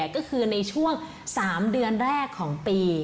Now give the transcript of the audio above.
ก็คือในช่วง๓เดือนแรกของปี